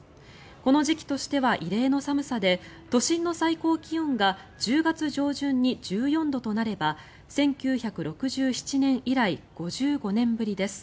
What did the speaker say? この時期としては異例の寒さで都心の最高気温が１０月上旬に１４となれば１９６７年以来５５年ぶりです。